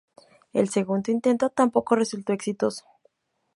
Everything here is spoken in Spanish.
El segundo intento tampoco resultó exitoso.